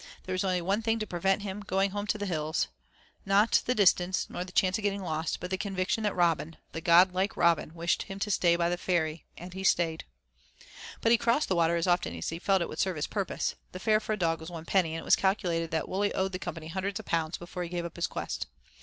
There was only one thing to prevent him going home to the hills, not the distance nor the chance of getting lost, but the conviction that Robin, the godlike Robin, wished him to stay by the ferry; and he stayed. But he crossed the water as often as he felt it would serve his purpose. The fare for a dog was one penny, and it was calculated that Wully owed the company hundreds of pounds before he gave up his quest.